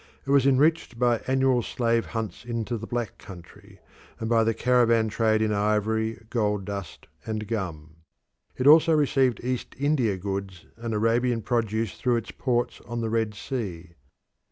It was enriched by annual slave hunts into the Black Country, and by the caravan trade in ivory, gold dust, and gum. It also received East India goods and Arabian produce through its ports on the Red Sea.